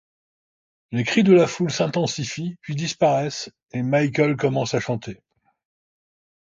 Les cris de la foule s'intensifient, puis disparaissent, et Michael commence à chanter.